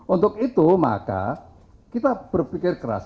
untuk itu maka kita berpikir keras